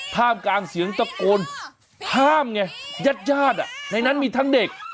ท่ามกลางเสียงตะโกนท่ามไงยาดในนั้นมีทั้งเด็ก